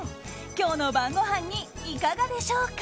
今日の晩ごはんにいかがでしょうか？